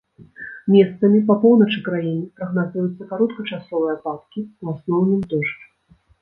Месцамі па поўначы краіны прагназуюцца кароткачасовыя ападкі, у асноўным дождж.